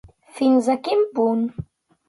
Fins a quin punt?